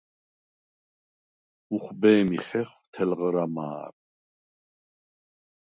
მუხვბე̄მი ხეხვ თელღრა მა̄რ.